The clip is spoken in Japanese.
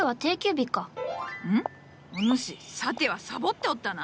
お主さてはサボっておったな！